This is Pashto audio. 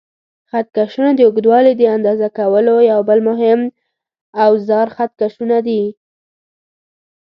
خط کشونه: د اوږدوالي د اندازه کولو یو بل مهم اوزار خط کشونه دي.